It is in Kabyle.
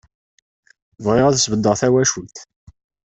Bɣiɣ ad sbeddeɣ tawacult.